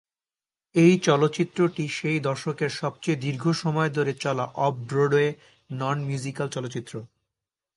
এই চলচ্চিত্রটি সেই দশকের সবচেয়ে দীর্ঘ সময় ধরে চলা অফ-ব্রডওয়ে নন-মিউজিক্যাল চলচ্চিত্র।